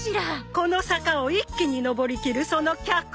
この坂を一気に上りきるその脚力！